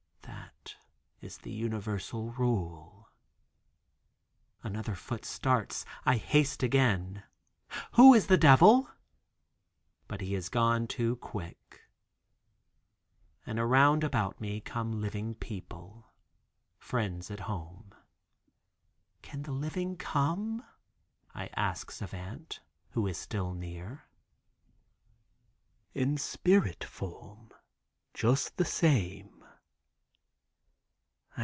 "That is the universal rule." Another foot starts, I haste again. "Who is the devil?" But he is gone too quick. And around about me come living people; friends at home. "Can the living come?" I ask Savant, who is still near. "In spirit form just the same."